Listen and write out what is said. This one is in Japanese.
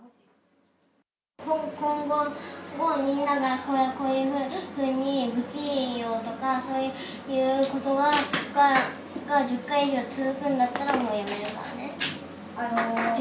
もう今後、もうみんながこういうふうに不器用とかそういうことばが１０回以上続くんだったら、もうやめるからね。